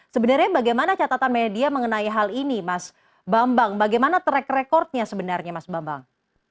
sebenarnya bagaimana catatan media mengenai hal ini mas bambang bagaimana track recordnya sebenarnya mas bambang